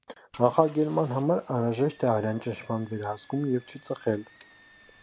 Կանխարգելման համար անհրաժեշտ է արյան ճնշման վերահսկում և չծխել։